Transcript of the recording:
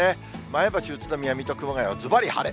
前橋、宇都宮、水戸、熊谷は、ずばり晴れ。